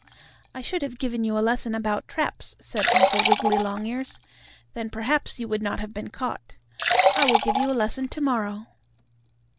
"I should have given you a lesson about traps," said Uncle Wiggily Longears; "then perhaps you would not have been caught. I will give you a lesson to morrow."